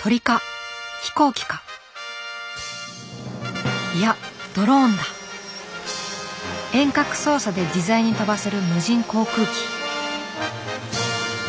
鳥か飛行機かいや遠隔操作で自在に飛ばせる無人航空機。